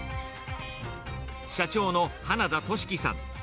社長の花田利喜さん。